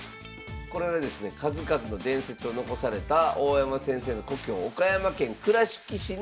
これはですね数々の伝説を残された大山先生の故郷岡山県・倉敷市に記念館があります。